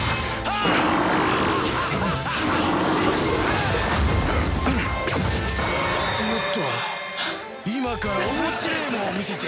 あっ！